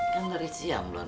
kan dari siang belum makan